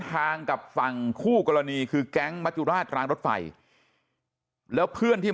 ทางกับฝั่งคู่กรณีคือแก๊งมัจจุราชรางรถไฟแล้วเพื่อนที่